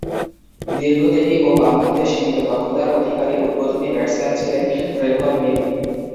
দীর্ঘদেহী ও বামহাতে সীমিত দক্ষতার অধিকারী উদ্বোধনী ব্যাটসম্যান ছিলেন ট্রেভর মিল।